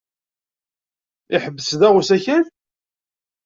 Iḥebbes da usakal?